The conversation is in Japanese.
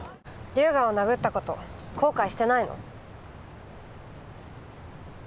龍河を殴った事後悔してないの？